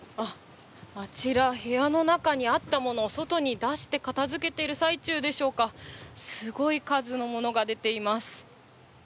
あちら部屋の中にあったもの外へ出して片づけている最中でしょうか、すごい数のものが出ています。